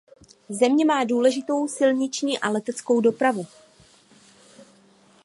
Země má důležitou silniční a leteckou dopravu.